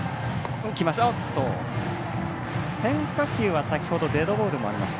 変化球は先ほどデッドボールがありました。